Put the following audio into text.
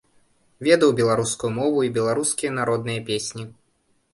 Ведаў беларускую мову і беларускія народныя песні.